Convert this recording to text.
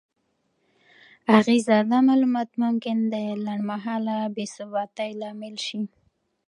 اغیزه: دا معلومات ممکن د لنډمهاله بې ثباتۍ لامل شي؛